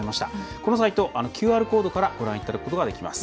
このサイト、ＱＲコードからご覧いただくことができます。